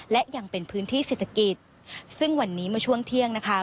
และยังเป็นพื้นที่เศรษฐกิจซึ่งวันนี้เมื่อช่วงเที่ยงนะคะ